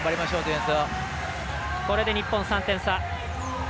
これで日本、３点差。